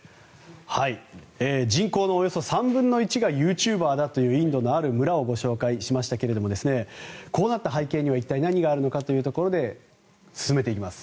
人口のおよそ３分の１がユーチューバーだというインドのある村をご紹介しましたがこうなった背景には一体、何があるのかということで進めていきます。